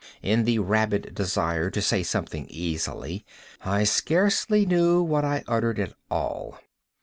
(In the rabid desire to say something easily, I scarcely knew what I uttered at all.)